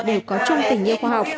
đều có trung tình yêu khoa học